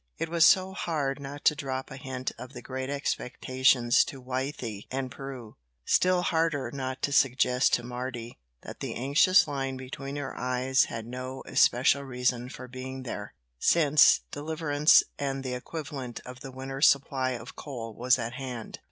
It was so hard not to drop a hint of the great expectations to Wythie and Prue, still harder not to suggest to Mardy that the anxious line between her eyes had no especial reason for being there, since deliverance and the equivalent of the winter supply of coal was at hand.